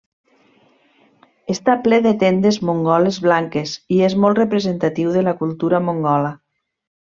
Està ple de tendes mongoles blanques i és molt representatiu de la cultura mongola.